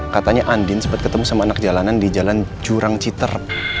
katanya andin sempat ketemu sama anak jalanan di jalan jurang citer